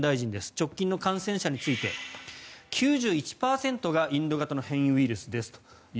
直近の感染者について９１％がインド型の変異ウイルスですと。